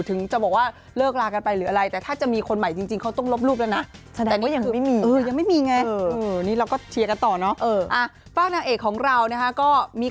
ถึงจะบอกว่าเลิกลากันไปหรืออะไร